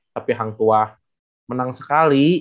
tapi hang tua menang sekali